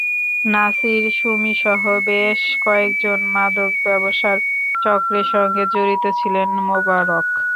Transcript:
নাছির, সুমিসহ বেশ কয়েকজনের মাদক ব্যবসার চক্রের সঙ্গে জড়িত ছিলেন মোবারক।